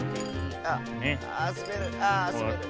あっすべる。